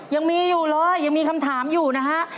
ยังมีอยู่เลยยังมีคำถามอยู่นะฮะ